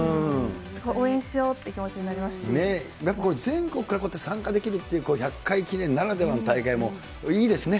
すごい応援しようっていう気持ち全国から参加できるっていう、１００回記念ならではの大会もいいですね。